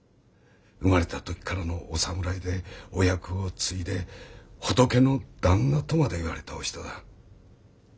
生まれた時からのお侍でお役を継いで「仏の旦那」とまで言われたお人だ。